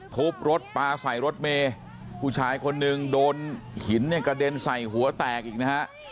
ทุบรถปลาใส่รถเมย์ผู้ชายคนหนึ่งโดนหินเนี่ยกระเด็นใส่หัวแตกอีกนะฮะ